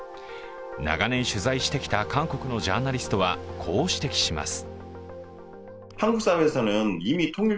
長年取材してきた韓国のジャーナリストはこう指摘します。